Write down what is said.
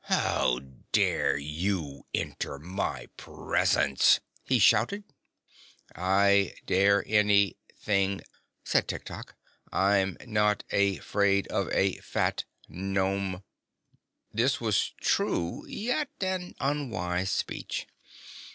"How dare you enter my presence?" he shouted. "I dare an y thing," said Tiktok. "I'm not a fraid of a fat Nome." This was true, yet an unwise speech.